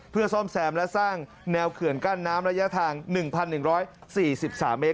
เพื่อซ่อมแซมและสร้างแนวเขื่อนกั้นน้ำระยะทาง๑๑๔๓เมตร